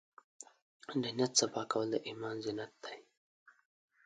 د نیت صفا کول د ایمان زینت دی.